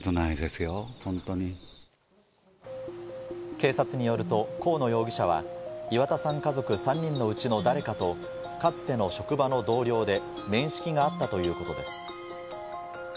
警察によると河野容疑者は岩田さん家族３人のうちの誰かとかつての職場の同僚で面識があったということです。